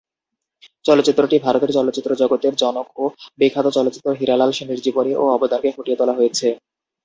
চলচ্চিত্রটি ভারতের চলচ্চিত্রে জগতের জনক ও বিখ্যাত পরিচালক হীরালাল সেনের জীবনী ও অবদানকে ফুটিয়ে তোলা হয়েছে।